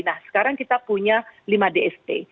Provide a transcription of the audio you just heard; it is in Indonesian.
nah sekarang kita punya lima dst